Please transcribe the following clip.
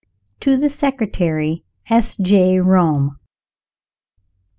_To the Secretary, S. J., Rome.